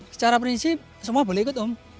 secara prinsip semua boleh ikut om